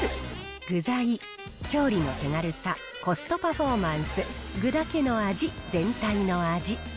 具材、調理の手軽さ、コストパフォーマンス、具だけの味、全体の味。